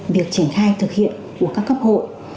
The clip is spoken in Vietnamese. việc triển khai thực hiện của các cấp hội